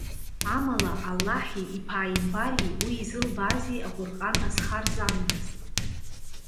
Амала, Аллаҳи, иԥааимбари, уи изылбаази Аҟәырҟан азхарҵандаз.